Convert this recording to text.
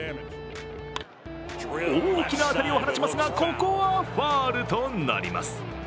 大きな当たりを放ちますが、ここはファウルとなります。